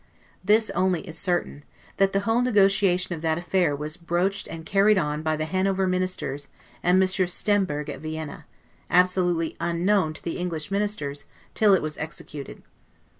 This only is certain, that the whole negotiation of that affair was broached and carried on by the Hanover Ministers and Monsieur Stemberg at Vienna, absolutely unknown to the English Ministers, till it was executed.